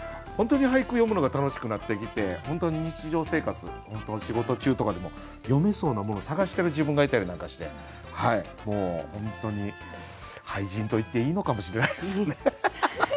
本当に俳句詠むのが楽しくなってきて本当に日常生活仕事中とかでも詠めそうなもの探してる自分がいたりなんかしてもう本当に俳人と言っていいのかもしれないですね。